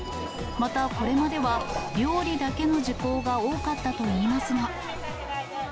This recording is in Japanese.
また、これまでは料理だけの受講が多かったといいますが。